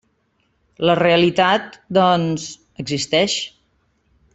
La realitat, doncs, existeix.